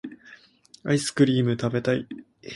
アイスクリームたべたい